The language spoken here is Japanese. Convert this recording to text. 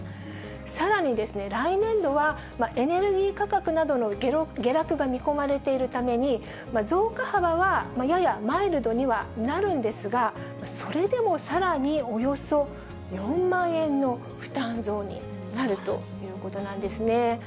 さらにですね、来年度はエネルギー価格などの下落が見込まれているために、増加幅はややマイルドにはなるんですが、それでもさらにおよそ４万円の負担増になるということなんですね。